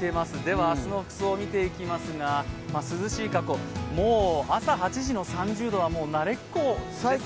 では明日の服装見ていきますが涼しい格好、朝８時の３０度はもう慣れっこですかね。